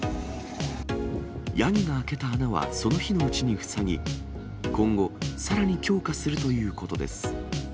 ヤギが開けた穴はその日のうちに塞ぎ、今後、さらに強化するということです。